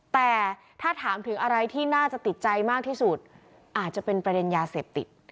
แต่ถ้าถามถึงอะไรที่น่าจะติดใจมากที่สุดอาจจะเป็นประเด็นยาเสพติด